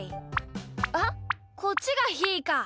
あっこっちがひーか！